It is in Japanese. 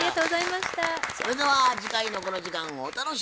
それでは次回のこの時間をお楽しみに。